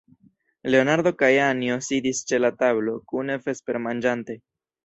Leonardo kaj Anjo sidis ĉe la tablo, kune vespermanĝante.